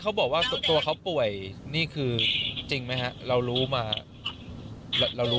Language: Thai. เมื่อก่อนคนที่หล่อส่องนี่ออกมาคือจะมีเป็นรูดว่าเป็นรูด